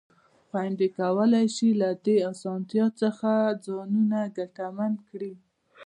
خویندې کولای شي له دې اسانتیا څخه ځانونه ګټمن کړي.